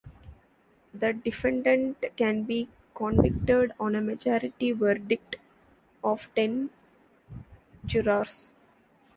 The defendant can be convicted on a majority verdict of ten jurors.